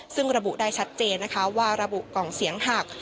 ซึ่งระบุได้ชัดเจนนะคะว่าระบุกล่องเสียงหัก